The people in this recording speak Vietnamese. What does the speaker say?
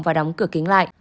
và đóng cửa kính lại